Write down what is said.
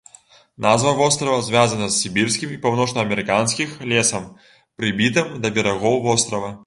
Назва вострава звязана з сібірскім і паўночнаамерыканскіх лесам, прыбітым да берагоў вострава.